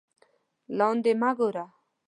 لاندې مه گوره